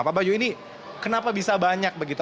pak bayu ini kenapa bisa banyak begitu